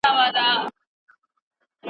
«افغانستان» دی؛ خو تاسو افغانان نه یاست.